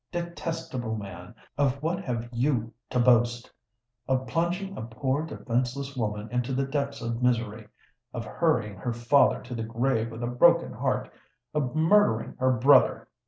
Detestable man, of what have you to boast? Of plunging a poor, defenceless woman into the depths of misery—of hurrying her father to the grave with a broken heart—of murdering her brother!